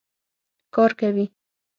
کار کوي